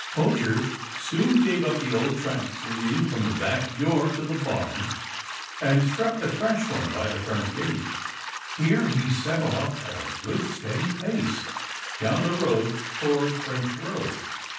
Poacher soon gave up the old tracks leading from 178 'TILDA JANE'S ORPHANS the back door to the barn, and struck the fresh one by the front gate. Here he set off at a good steady pace down the road toward French Row.